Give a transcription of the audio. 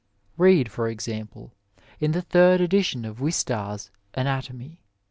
Bead, for example, in the third edition of Wistar's Anatomy.